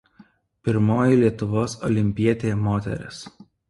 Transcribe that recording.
Pirmoji Lietuvos olimpietė moteris.